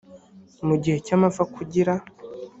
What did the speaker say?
mu gihe cy amapfa kugira